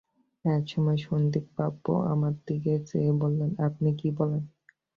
এক সময়ে সন্দীপবাবু আমার দিকে চেয়ে বললেন, আপনি কী বলেন?